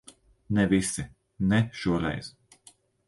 Ne visi. Ne šoreiz.